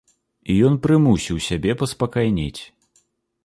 І ён прымусіў сябе паспакайнець.